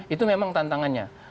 itu memang tantangannya